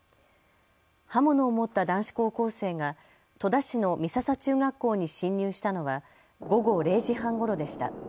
刃物を持った男子高校生が戸田市の美笹中学校に侵入したのは午後０時半ごろでした。